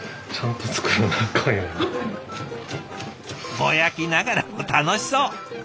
ぼやきながらも楽しそう！